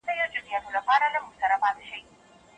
نړيوال سازمانونه به له هيوادونو سره مرسته وکړي.